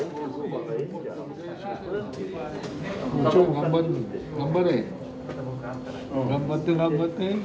頑張れ頑張れ！頑張って頑張って！